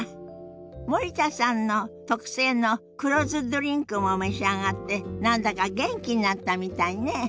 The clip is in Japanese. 森田さんの特製の黒酢ドリンクも召し上がって何だか元気になったみたいね。